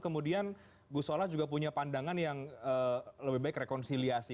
kemudian gusola juga punya pandangan yang lebih baik rekonsiliasi